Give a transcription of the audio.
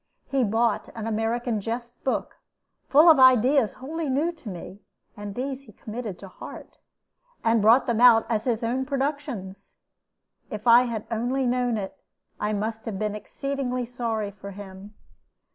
He bought an American jest book, full of ideas wholly new to me, and these he committed to heart, and brought them out as his own productions. If I had only known it, I must have been exceedingly sorry for him.